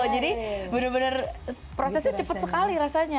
jadi bener bener prosesnya cepet sekali rasanya